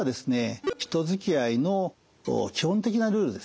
人づきあいの基本的なルールですね